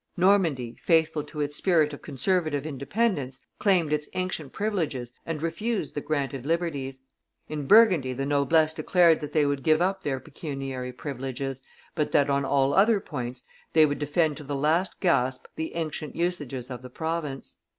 Normandy, faithful to its spirit of conservative independence, claimed its ancient privileges and refused the granted liberties. In Burgundy the noblesse declared that they would give up their pecuniary privileges, but that, on all other points, they would defend to the last gasp the ancient usages of the province.